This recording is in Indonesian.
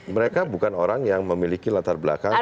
mereka bukan orang yang memiliki latar belakang